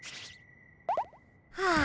はあ。